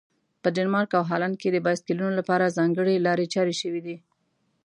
په ډنمارک او هالند کې د بایسکلونو لپاره ځانګړي لارې چارې شوي دي.